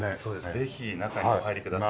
ぜひ中にお入りください。